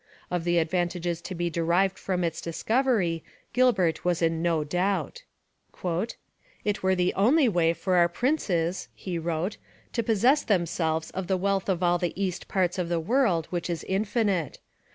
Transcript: Of the advantages to be derived from its discovery Gilbert was in no doubt. It were the only way for our princes [he wrote] to possess themselves of the wealth of all the east parts of the world which is infinite.